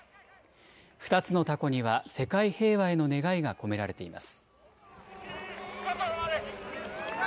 ２つのたこには世界平和への願いが込められています。